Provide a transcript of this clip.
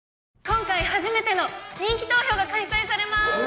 今回初めての人気投票が開催されます